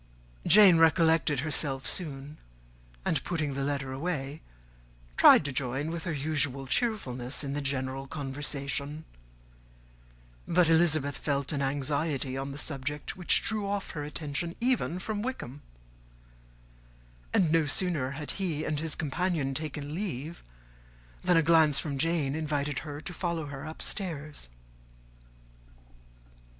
Jane recollected herself soon; and putting the letter away, tried to join, with her usual cheerfulness, in the general conversation: but Elizabeth felt an anxiety on the subject which drew off her attention even from Wickham; and no sooner had he and his companion taken leave, than a glance from Jane invited her to follow her upstairs.